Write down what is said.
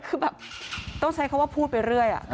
คือแบบต้องใช้คำว่าพูดไปเรื่อย